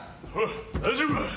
大丈夫か！